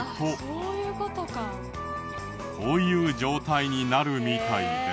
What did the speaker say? こういう状態になるみたいです。